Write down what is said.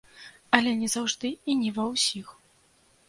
Але не заўжды і не ва ўсіх.